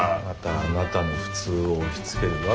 またあなたの普通を押しつける。